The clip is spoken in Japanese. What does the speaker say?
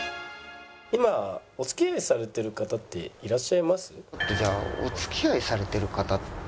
「今お付き合いされてる方っていらっしゃいます？」。